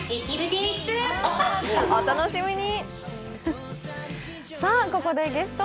お楽しみに。